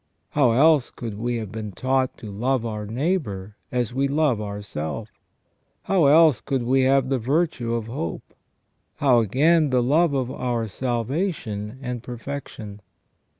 How else could we have been taught to love our neighbour as we love ourself ? How else could we have the virtue of hope ? How, again, the love of our salvation and perfection